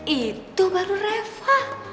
itu baru reva